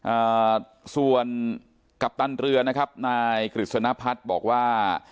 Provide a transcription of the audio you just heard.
อ่าส่วนกัปตันเรือนะครับนายกฤษณพัฒน์บอกว่า